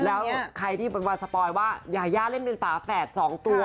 แล้วใครที่เป็นวาสปอยว่ายายาเล่นเป็นฝาแฝด๒ตัว